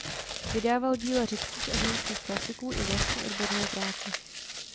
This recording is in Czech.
Vydával díla řeckých a římských klasiků i vlastní odborné práce.